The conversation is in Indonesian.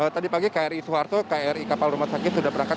tadi pagi kri soeharto kri kapal rumah sakit sudah berangkat